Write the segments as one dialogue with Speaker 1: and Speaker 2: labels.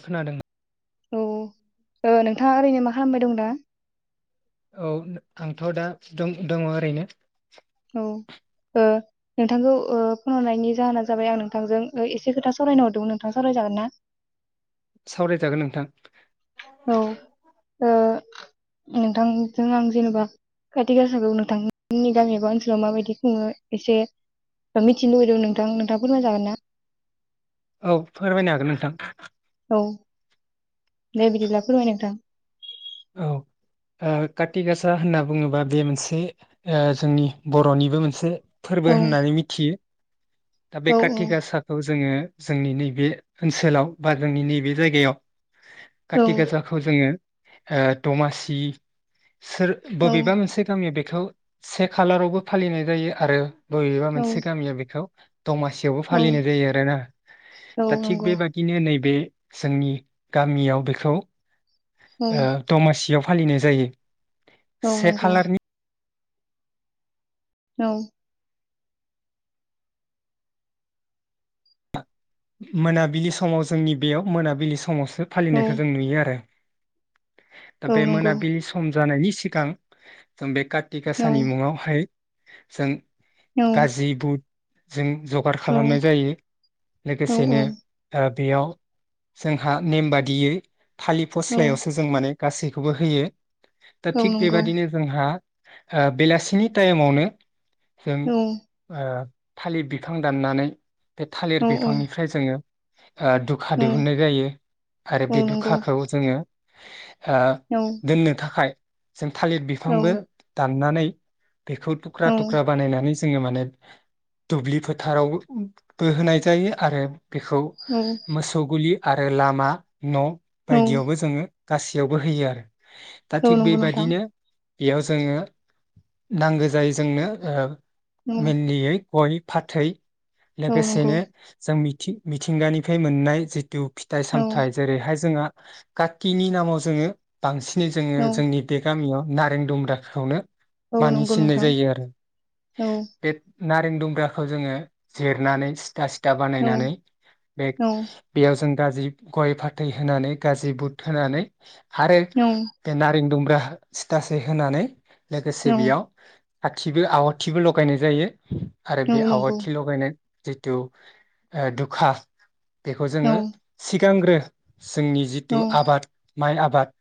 Speaker 1: खोनादों न
Speaker 2: औ ओ नोंथाङा ओरैनो मा खालामबाय दं दा?
Speaker 1: औ आंथ' दा दं दङ ओरैनो
Speaker 2: औ ओ नोंथांखौ ओ फन हरनायनि जाहोना जाबाय आं नोंथांजों ओ एसे खोथा सावरायनो हरदोंमोन नोंथां सावरायजागोन ना?
Speaker 1: सावराय जागोन नोंथां
Speaker 2: औ ओ नोंथांजों आं जेन'बा खाथि गसाखौ नोंथांनि गामि एबा ओनसोलाव माबायदि खुङो एसे मिथिनो लुुबैदोंमोन नोंथां नोंथांआ फोरमाय जागोन ना?
Speaker 1: औ फोरमायनो हागोन नोंथां
Speaker 2: औ दे बिदिब्ला फोरमाय नोंथां
Speaker 1: औ ओ काति गासा होनना बुङोबा बे मोनसे ओ जोंनि बर'निबो मोनसे
Speaker 2: औ
Speaker 1: फोरबो होननानै मिथियो दा बे
Speaker 2: औ
Speaker 1: काति गासाखौ जोङो जोंनि नैबे ओनसोलाव बा जोंनि नैबे जायगायाव
Speaker 2: औ
Speaker 1: काति गासाखौ जोङो ओ दमासि सोर बबेबा मोनसे गामियाव बे खौ से खालारावबो फालिनाय जायो आरो बबेबा
Speaker 2: औ
Speaker 1: मोनसे गामिया बेखौ दमासियावबो
Speaker 2: औ
Speaker 1: फालिनाय जायो आरोना
Speaker 2: औ
Speaker 1: दा थिग
Speaker 2: नंगौ
Speaker 1: बेबादिनो नैबे जोंनि गामियाव बेखौ
Speaker 2: औ
Speaker 1: ओ दमासियाव फालिनाय जायो
Speaker 2: औ
Speaker 1: से
Speaker 2: नंगौ
Speaker 1: खालारनि
Speaker 2: औ
Speaker 1: मोनाबिलि समाव जोंनि बेयाव मोनाबिलि समावसो
Speaker 2: औ
Speaker 1: फालिनायखौ जों नुयो आरो दा
Speaker 2: औ
Speaker 1: बे
Speaker 2: नंगौ
Speaker 1: मोनाबिलि सम जानायनि सिगां जोंबे काति
Speaker 2: औ
Speaker 1: गाासानि मुङावहाय जों गाजि बुट जों जगार खालामनाय जायो
Speaker 2: औ
Speaker 1: लोगोसेनो ओ दा बेयाव जोंहा नेम बादियै थालि
Speaker 2: औ
Speaker 1: फस्लायावसो जों माने गासैखौबो होयो । दा
Speaker 2: औ
Speaker 1: थिग
Speaker 2: नंगौ
Speaker 1: बेबादिनो जोंहा हो बेलासिनि टाइमावनो जों
Speaker 2: औ
Speaker 1: ओ थालिर बिफां दाननानै बे था
Speaker 2: औ औ
Speaker 1: बिफांनिफ्राय जोङो हो दुखा
Speaker 2: औ
Speaker 1: दिहुननाय जायो आरो
Speaker 2: औ
Speaker 1: बे
Speaker 2: नंगौ
Speaker 1: दुखाखौ जोङो हो
Speaker 2: औ
Speaker 1: दोननो थाखाय जों थालिर
Speaker 2: औ
Speaker 1: बिफांबो दाननानै [inaudible] बेखौ थुख्रा
Speaker 2: औ
Speaker 1: थुख्रा बानायनानै ज जोङो माने दुब्लि फोथारावबउ बो होनाय जा जायो आरो बेखौ
Speaker 2: औ
Speaker 1: मोसौ गलि आरो लामा न' बायदियावबो जोङो गासैयावबो होयो आरो दा
Speaker 2: औ
Speaker 1: थिग
Speaker 2: नंगौ नोंथां
Speaker 1: बेबादिनो बेयाव जोङो नांगौ जायो जोंनो ओ
Speaker 2: औ
Speaker 1: मेनलियै गय फाथै
Speaker 2: औ नंगौ
Speaker 1: लोगोसेनो जों मिथि मिथिंगानिफ्राय मोननाय जि दिउ फिथाइ
Speaker 2: औ
Speaker 1: सामथायाइ जेरैहाय जोंहा काकिनि नामाव जोङो बांसि नि
Speaker 2: औ
Speaker 1: जोङो जोंनि बे गामियाव नारें दुमब्रा खावनो
Speaker 2: औ नंगौ
Speaker 1: मानिसिननाय
Speaker 2: नोंथां
Speaker 1: जायो आरो
Speaker 2: औ
Speaker 1: बेब नारें दुमब्राखौ जोङो जेरनानै सिथा सिथ दा
Speaker 2: औ
Speaker 1: बानायनानै बे
Speaker 2: औ
Speaker 1: बेयाव जों गाजि गय फाथै होनानै गाजि बुट होनानै सारे
Speaker 2: औ
Speaker 1: देन नारें दं। [unintelligible] सिथासे होनानै लोगोसे बेयाव आथिबो आवाथिबो लगायनाय जायो। आरो
Speaker 2: औ
Speaker 1: बे
Speaker 2: नंगौ
Speaker 1: आवाथि लगायनाय जितु ए दखाहा बेखौ
Speaker 2: औ
Speaker 1: जोंङो सिगांग्रो [inaudible] जोंनि जितु
Speaker 2: औ
Speaker 1: आबाद माइ आबाद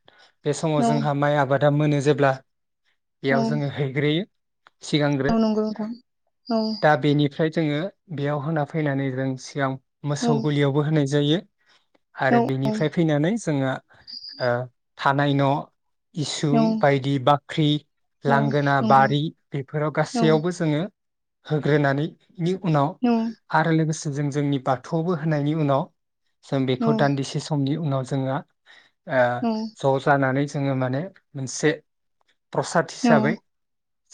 Speaker 1: बे समाव जोंहा माइ आबाद दा मोनो जेब्ला
Speaker 2: औ
Speaker 1: बेयाव जोंङो हैग्रोयो सिगांग्रो
Speaker 2: औ नंगौ नोंथां औ
Speaker 1: फ्राय जोंङो बेयाव होना फैनानै जों सिगां
Speaker 2: औ
Speaker 1: मोसौ गलियावबो होनाय जायो
Speaker 2: औ
Speaker 1: आरो
Speaker 2: औ
Speaker 1: बिनिफ्राय फैनानै जोंङा ओ थानाय न' इसुं बायदि बाख्रि लांगोना बारि
Speaker 2: नंगौ औ
Speaker 1: बेफोराव गासैयावबो जोंङो होग्रोनानै बि
Speaker 2: औ
Speaker 1: उनाव आरो लोगोसे जों जोंनि बाथौआवबो होनायनि उनाव जों
Speaker 2: औ
Speaker 1: बेखौ दान्दिसे समनि उनाव जोंङो आ
Speaker 2: औ औ
Speaker 1: ज' जानानै जोंङो माने मोनसे प्रसाद हिसाबै
Speaker 2: नंगौ औ नंगौ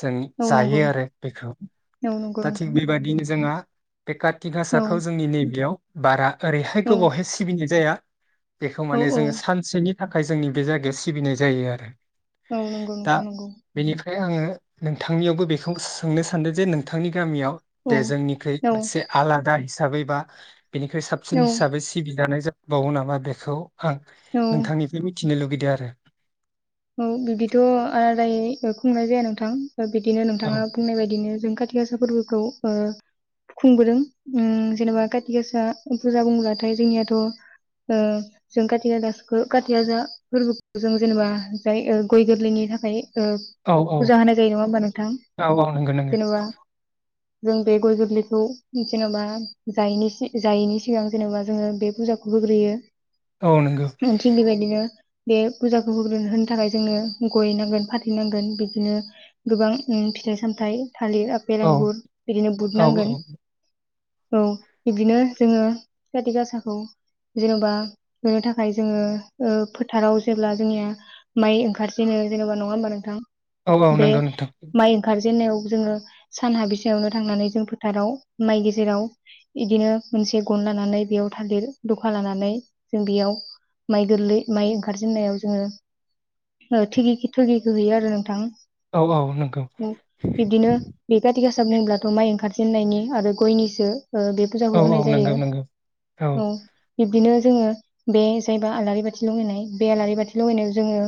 Speaker 1: जों
Speaker 2: नोंथां
Speaker 1: जायो
Speaker 2: औ
Speaker 1: आरो बेखौ दा थिग
Speaker 2: औ औ
Speaker 1: बेबादिनो जोंहा बे काति गासाखौ जोंनि नैबेयाव बारा ओरैहाय गोबावहाय सिबिनाय जाया बेखौ माने जोङो
Speaker 2: औ
Speaker 1: सानसेनि थाखाय जोंनि बे जायगाया सिबिनाय जायो आरो
Speaker 2: औ नंगौ नोंथां नंगौ
Speaker 1: फ्राय आङो नोंथांनियावबो बेखौ सोंनो सानदों जे नोंथांनि गामियाव
Speaker 2: औ
Speaker 1: दे जोंनिख्रै
Speaker 2: औ
Speaker 1: से आलादा हिसाबै बा बेनिख्रुइ साबसिन
Speaker 2: औ
Speaker 1: हिसाबै सिबिजानाय बावो नामा बेखौ आं
Speaker 2: औ
Speaker 1: नोंथांनिफ्राय मिथिनो लुगैदो आरो
Speaker 2: औ बिदिथ' आलादायै ओ खुंनाय जाया नोंथां। बिदिनो नोंथाङा बुंनाय बायदिनो जों खाथि काथि गासा फोरबोखौ ओ खुंबोदों उम जेनेबा काथि गासा फुजा बुंब्लाथाय जोंनियाथ' ओ जों काथि काथि गासा फोरबोखौ जों जेनेबा बाय ओ गय गोरलैनि थाखाय ओ
Speaker 1: औ औ
Speaker 2: फुजा होनाय जायो नङा होमबा नोंथां
Speaker 1: औ औ नंगौ नंगौ
Speaker 2: जेनेबा जों बे गय गोरलैखौ जेनबा जायनिसि जायैनि सिगां जेनेबा जोङो बे फुजाखौ होग्रोयो।
Speaker 1: औ नंगौ
Speaker 2: थिग बेबादिनो बे फुजाखौ होग्रोनो होन थाखाय जोंनो गय नांगोन फाथैनांगोन बिदिनो गोबां उम फिथाइ सामथाइ थालिर आफपेल
Speaker 1: औ
Speaker 2: आंगुर बिदिनो बुद
Speaker 1: औ
Speaker 2: नांगोन। औ इब्दिनो जोङो खाथि गासाखौ जेन'बा होनो थाखाय जोङो ओ फोथाराव जेब्ला जोंनिया माइ ओंखारजेनो जेनबा नङा होमबा नोंथां?
Speaker 1: औ औ
Speaker 2: बे
Speaker 1: नंगौ नोंथां
Speaker 2: माइ ओंखारजेननायाव जोङो सान हाबिसोयावनो थांनानै जों फोथाराव माइ गेजेराव इदिनो मोनसे गन लानानै बेयाव थालिर दखा लानानै जों बेयाव माइ गोरलै माइ ओंखारजेननायाव जोङो ओ थोगि-थोगिखो हैयो आरो नोंथां।
Speaker 1: औ औ नंगौ
Speaker 2: [unintelligible] बिब्दिनो बे काति [unintelligible] बुङोब्लाथ' माइ ओंखारजेननायनि आरो गयनिसो। ओ बे फुजाखौ
Speaker 1: औ
Speaker 2: होनाय
Speaker 1: औ नंगौ
Speaker 2: जायो
Speaker 1: नंगौ
Speaker 2: औ बिब्दिनो जोङो बे जायबा आलारि बाथि लगायनाय बे आलारि बाथि लगायनायाव जोङो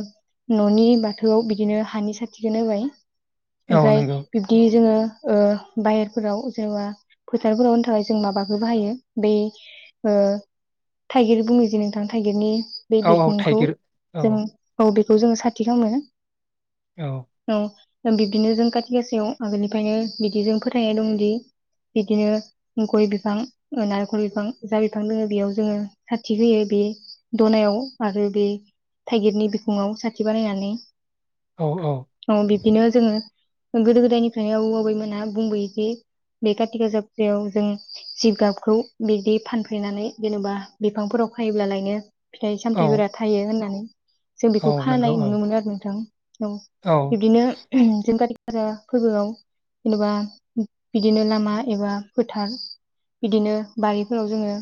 Speaker 2: न'नि बाथौआव बिदिनो हानि साथिखोनो होबाय।
Speaker 1: औ
Speaker 2: ओमफ्राय
Speaker 1: नंगौ
Speaker 2: बिब्दि जोङो ओ बाहेरफोराव जेनबा फोथारफोराव होनो थाखाय जों माबाखो बाहायो बै ओ थाइगिर बुङै जे नोंथां थाइगिरनि बे
Speaker 1: औ औ
Speaker 2: बिखुंखौ
Speaker 1: थाइगिर औ
Speaker 2: जों औ बेखौ जोङो साथि खामो ।
Speaker 1: औ
Speaker 2: औ बिब्दिनो जों काति गासायाव आगोलनिफ्रायनो बिदि जों फोथायनाय दंदि बिदिनो गय बिफां नारेंखल बिफां जा बिफां दङ बेयाव जोङो साथि होयो बे दनायाव आरो बे थाइगिरनि ब बिखङाव साथि बानायनानै औ बिबदिनो जोङो गोदो गोदायनिफ्रायनो आबौ आबैमोना बुंबोदि बे कति गाजा पुजायाव जों जिगाबखौ बिदि फानफ्रेनानै जेन'बा बिफांफोराव खायोब्लालायनो फिथाइ
Speaker 1: औ
Speaker 2: सामथायाइफोरा थायो होननानै। जों
Speaker 1: औ
Speaker 2: बेखौ
Speaker 1: नंगौ
Speaker 2: खानाय
Speaker 1: औ
Speaker 2: नुनो मोनो आरो नोंथां। औ बिब्दिनो जों काति आरो फोरबोआव जेन'बा बिदिनो लामा एबा फोथार बिदिनो बारिफोराव जोङो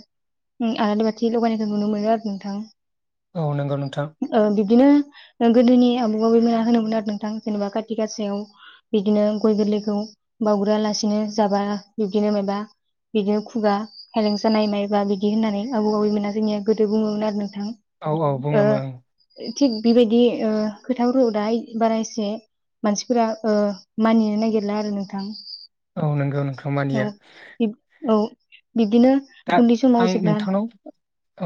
Speaker 2: आलारि बाथि लगायनायखौ नुनो मोनो आरो नोंथां।
Speaker 1: औ नंगौ नोंथां।
Speaker 2: ओ बिब्दिनो गोदोनि आबौ आबैमोना होनोमोन आरो नोंथां जेनेबा खाथि गासायाव बिदिनो गय गोरलैखौ बाउग्रो लासिनो जाबा बिब्दिनो माबा बिदिनो खुगा खायलें जानाय मायबा बिदि होननानै आबौ आबैमोना जोंनिया गोदो बुङोमोन आरो नों
Speaker 1: औ औ बुङोमोन।
Speaker 2: थिग बेबायदि खोथाफोरखौ दाहाय बारा एसे मानसिफोरा ओ मानिनो नागिरला आरो नोंथां।
Speaker 1: औ नंगौ नों
Speaker 2: औ
Speaker 1: मानिया।
Speaker 2: औ बिब्दिनो
Speaker 1: दा
Speaker 2: उन्दै समाव
Speaker 1: आं
Speaker 2: जेब्ला
Speaker 1: नोंथांनाव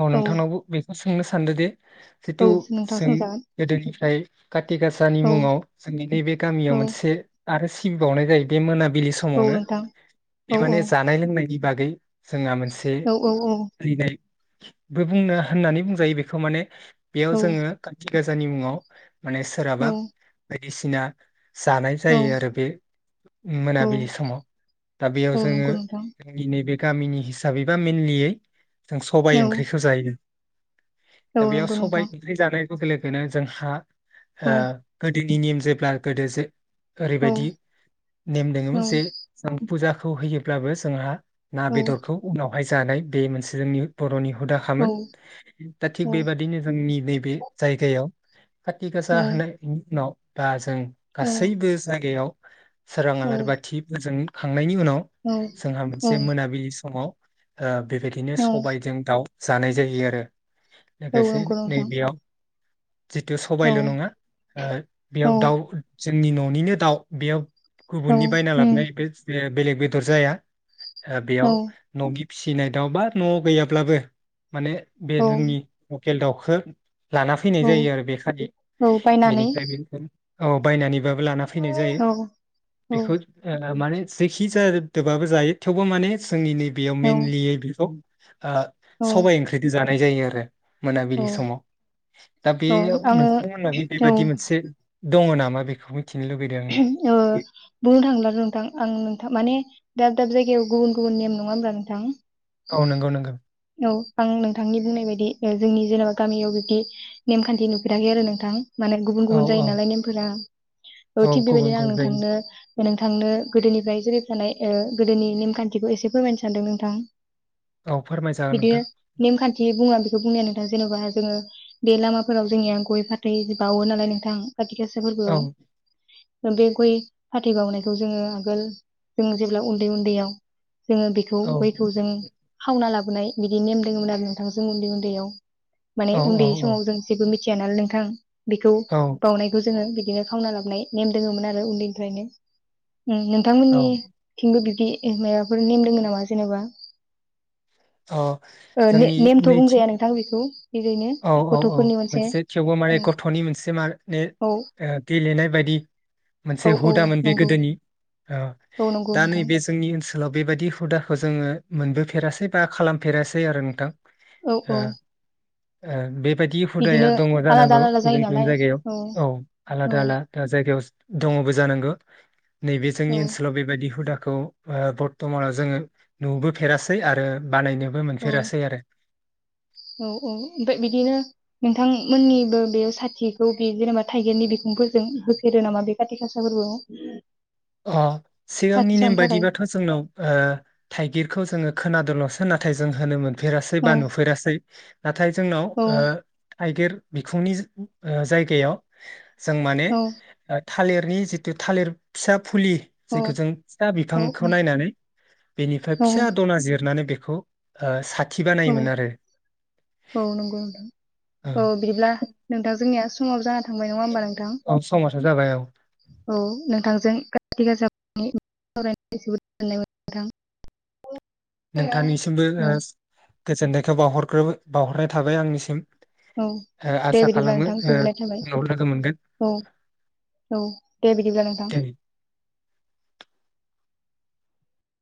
Speaker 1: औ नोंथांनावबो बेखौ सोंनो सानदों दे
Speaker 2: औ नोंथां सोंजागोन
Speaker 1: [unintelligible] गोदोनिफ्राय काति गासानि
Speaker 2: औ
Speaker 1: मुङाव जोंनि नैबे गामियाव
Speaker 2: औ
Speaker 1: मोनसे आरो सिबिबावनाय जायो बे मोना बिलि
Speaker 2: औ
Speaker 1: समावनो
Speaker 2: नोंथां
Speaker 1: बे
Speaker 2: औ औ
Speaker 1: माने जानाय लोंनायनि बागै जोंहा मोनसे
Speaker 2: औ औ औ
Speaker 1: फालिनाय बो बुंनो होननानै बुंजायो बेखौ माने बेयाव
Speaker 2: औ
Speaker 1: जोंङो काति गोजानि मुङाव माने
Speaker 2: औ
Speaker 1: सोराबा बायदिसिना जानाय
Speaker 2: औ
Speaker 1: जायो आरो बे
Speaker 2: औ
Speaker 1: मोनाबिलि समाव दा बेयाव
Speaker 2: औ
Speaker 1: जोङो
Speaker 2: नंगौ नोंथां
Speaker 1: जोंनि नैबे गामिनि हिसाबैबा मेनलियै जों सबाइ
Speaker 2: औ
Speaker 1: ओंख्रिखौ जायो।
Speaker 2: औ
Speaker 1: दा बेयाव
Speaker 2: नंगौ
Speaker 1: सबाय
Speaker 2: नोंथां
Speaker 1: ओंख्रि जानाय [unintelligible] जों हा
Speaker 2: औ
Speaker 1: हो गोदि इ निम एप्लाइारसे [unintelligible]
Speaker 2: औ
Speaker 1: ओरैबायदि नेम
Speaker 2: औ
Speaker 1: दोङोमोन जे फुजाखौ होयोब्लाबो जोंहा ना
Speaker 2: औ
Speaker 1: बेदरखौ। बेवहाय जानाय बे मोनसे जोंनि बर'नि
Speaker 2: औ
Speaker 1: हुदाखामोन दा
Speaker 2: औ
Speaker 1: थिग बेबादिनो जोंनि नैबे जायगायाव काति
Speaker 2: औ
Speaker 1: गासा होनाय उनाव बाज [unintelligible] जों गासैबो जायगायाव सोरां
Speaker 2: औ
Speaker 1: आलारि बाथिफोजों [unintelligible] उनाव जोंहा
Speaker 2: औ
Speaker 1: मोनसे मोनाबिलि समाव। आ। बेबायदिनो सबायजों दाउ। जानाय जायो आरो।
Speaker 2: औ
Speaker 1: लोगोसे
Speaker 2: नंगौ नोंथां
Speaker 1: नैबेयाव। जितु
Speaker 2: औ
Speaker 1: सबायल' नङा ओ
Speaker 2: औ
Speaker 1: बेयाव दाउ। जोंनि न'निनो दाउ बेयाव। गुबुननि बायना
Speaker 2: उम
Speaker 1: लाबोनाय बे। बेलेग बेदर जाया।
Speaker 2: औ
Speaker 1: बेयाव। फिसिनाय दाउ बा न'आव गैयाब्लाबो। माने बे
Speaker 2: औ
Speaker 1: जोंनि। लकेल दाउखो। लाना फैनाय
Speaker 2: औ
Speaker 1: जायो आरो बे खालि
Speaker 2: औ बायनानै
Speaker 1: बेनिफ्राय बे। औ बायनानै। लाना फैनाय
Speaker 2: औ
Speaker 1: जायो
Speaker 2: औ औ
Speaker 1: बेखौ ओ माने। जायखिजायादोब्लाबो जायो थेवबो माने जोंनि नैबे बेयाव
Speaker 2: औ
Speaker 1: मेनलियै बेखौ। ओ
Speaker 2: औ
Speaker 1: सबाय ओंख्रिदो जा जानाय जायो आरो। मोनाबिलि
Speaker 2: औ
Speaker 1: समाव दा बे
Speaker 2: आङो
Speaker 1: नोंथांमोननादि बे
Speaker 2: औ
Speaker 1: बायदि मोनसे दङ नामा बेखौ मिथिनो लुबैदों आङो
Speaker 2: ओ बुंनो थांब्ला नोंथां आं नोंथां माने दाब दाब जायगायाव गुबुन गुबुन नेम नङा होमब्ला नोंथां?
Speaker 1: औ नंगौ नंगो।
Speaker 2: औ आं नोंथांनि बुंनाय बायदि जोंनि जेनेबा गामियाव बिदि नेमखान्थि नुफेराखै आरो नोंथां। माने गुबुन
Speaker 1: औ
Speaker 2: गुबुन जायो
Speaker 1: औ
Speaker 2: नालाय नेमफोरा औ
Speaker 1: औ
Speaker 2: थिग
Speaker 1: गुबुन
Speaker 2: बेबायदिनो आं
Speaker 1: गुबुन जायो
Speaker 2: नोंथांनो नोंथांनो गोदोनिफ्राय जुरै थानाय गोदोनि नेमखान्थिखौ एसे फोरमायनो सानदों नोंथां।
Speaker 1: औ फोरमायजागोन
Speaker 2: बिदिनो
Speaker 1: नोंथां
Speaker 2: नेमखान्थि बुङा बि बेखौ बुंनाया नोंथां जेनेबा जोङो बे लामाफोराव जोंनिया गय फाथै बावो नालाय नोंथां। खाथि गासा
Speaker 1: औ
Speaker 2: फोरबोआव। बे गय फाथै बावनायखौ जोङो आगोल जों जेब्ला उन्दै उन्दैयाव जोङो बेखौ
Speaker 1: औ
Speaker 2: गयखौ जों खावना लाबो । नुनाय बिदि नेम दङमोन आरो नोंथां जों उन्दै उन्दैयाव। माने
Speaker 1: औ
Speaker 2: उन्दै
Speaker 1: औ
Speaker 2: समाव जों जेबो मिथि चेनेल नोंथां । बेखौ
Speaker 1: औ
Speaker 2: बावनायखौ जोङो बिदिनो खावना लाबनाय नेम दोङोमोन आरो उन्दैनिफ्रायनो । नोंथांमोननि
Speaker 1: औ
Speaker 2: थिंबो बिब दि माबाफोर नेम दोङो नामा जेनेबा?
Speaker 1: अ जोंनि
Speaker 2: नेमथ'
Speaker 1: नैथि
Speaker 2: बुंजाया नोंथां बेखौ ओरैनो
Speaker 1: औ औ औ
Speaker 2: गथ'फोरनि
Speaker 1: मोनसे थेवबो माने गथ'नि मोनसे मा ने
Speaker 2: औ
Speaker 1: गेलेनाय बायदि मोनसे
Speaker 2: औ औ
Speaker 1: हुदामोन बे
Speaker 2: नंगौ
Speaker 1: गोदोनि ओ
Speaker 2: औ नंगौ
Speaker 1: दा
Speaker 2: नोंथां
Speaker 1: नैबे जोंनि ओनसो लाव बेबायदि हुदाखौ जोङो मोनबोफेरासै बा खालामफेरासै आरो नोंथां।
Speaker 2: औ
Speaker 1: ओ
Speaker 2: औ
Speaker 1: ओ बे बायदि हुदाया
Speaker 2: बिदिनो
Speaker 1: दङ
Speaker 2: आलादा
Speaker 1: जानांगौ
Speaker 2: आलादा जायो
Speaker 1: गुबुन गुबुन
Speaker 2: नालाय
Speaker 1: जायगायाव औ
Speaker 2: औ
Speaker 1: आलादा आलादा जायगायाव दङबो जानांगौ। नैबे जों
Speaker 2: औ
Speaker 1: ओनसोलाव बेबायदि हुदा। खौ बरथ'मानाव जोङो नुबोफेरासै आरो। बानायनोबो मोनफेरासै आरो।
Speaker 2: औ औ ओमफ्राय बिदिनो नोंथांमोननिबो बे साथिखौ बे जेनेबा थाइगिरनि बिखुंफोरजों होफेरो नामा बे काति गासा फोरबोआव?
Speaker 1: अ सिगांनि
Speaker 2: साथि
Speaker 1: नेम
Speaker 2: सावनो थाखाय
Speaker 1: बायदिबाथ' जोंनाव ओ थाइगिरखौ जोङो खोनादोंल'। सो नाथाय जों होनोमोन। फेरासै
Speaker 2: औ
Speaker 1: बा नुफेरासै। नाथाय जोंनाव
Speaker 2: औ
Speaker 1: ओ थाइगेर बिखुंनि ओ जायगायाव जों माने
Speaker 2: औ
Speaker 1: ओ थालिरनि जिथु थालिर सोब फुलि
Speaker 2: औ
Speaker 1: जेखौ जों फिसा
Speaker 2: औ
Speaker 1: बिफांखौ नायनानै बेनिफ्राय
Speaker 2: औ
Speaker 1: फिसा दना जिरनानै बे खो ओ सा
Speaker 2: औ औ नंगौ नोंथां औ बिदिब्ला नोंथां जोंनिया समाव जा‌ बाय नङा होमबा नोंथां
Speaker 1: औ समाथ' जाबाय औ
Speaker 2: औ नोंथांजों [unintelligible]
Speaker 1: नोंथांनिसिमबो
Speaker 2: नोंथां
Speaker 1: ओ गोजोन्नायखौ बावहरग्रोबो बावहरनाय थाबाय आंनिसिम
Speaker 2: औ
Speaker 1: ओ
Speaker 2: दे
Speaker 1: आसा
Speaker 2: बिदिब्ला
Speaker 1: खालामो
Speaker 2: नोंथां
Speaker 1: ओ
Speaker 2: गोजोननाय थाबाय
Speaker 1: उनाव लोगो मोनगोन।
Speaker 2: औ औ दे बिदिब्ला नोंथां।